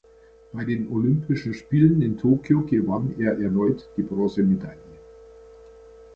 Bei den Olympischen Spielen in Tokio gewann er erneut die Bronzemedaille.